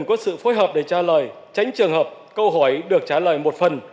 các bộ ngành đều có sự phối hợp để trả lời tránh trường hợp câu hỏi được trả lời một phần